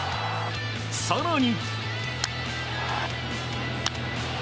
更に。